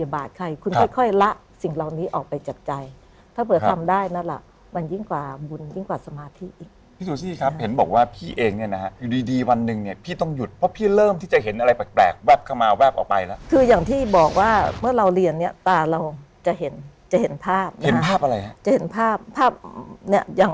บาทใครคุณค่อยค่อยละสิ่งเหล่านี้ออกไปจากใจถ้าเผื่อทำได้นั่นล่ะมันยิ่งกว่าบุญยิ่งกว่าสมาธิพี่ซูซี่ครับเห็นบอกว่าพี่เองเนี่ยนะฮะอยู่ดีดีวันหนึ่งเนี่ยพี่ต้องหยุดเพราะพี่เริ่มที่จะเห็นอะไรแปลกแวบเข้ามาแวบออกไปแล้วคืออย่างที่บอกว่าเมื่อเราเรียนเนี่ยตาเราจะเห็นจะเห็นภาพเห็นภาพอะไรฮะจะเห็นภาพภาพเนี้ยยัง